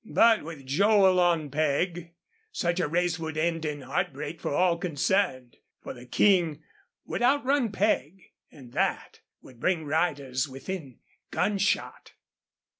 But with Joel on Peg, such a race would end in heartbreak for all concerned, for the King would outrun Peg, and that would bring riders within gunshot.